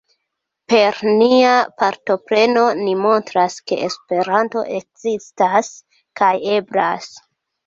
Per nia partopreno, ni montras ke Esperanto ekzistas kaj eblas.